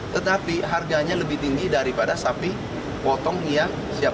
tetapi harganya lebih tinggi daripada sapi potong yang siap